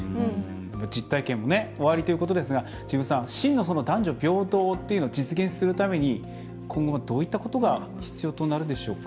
実体験もおありということですが治部さん真の男女平等というのを実現するために今後はどういったことが必要となるでしょうか？